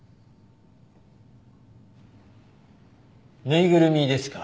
ぬいぐるみですか？